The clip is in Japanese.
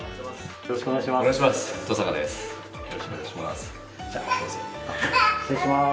よろしくお願いします。